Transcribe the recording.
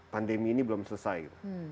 pandemi ini belum selesai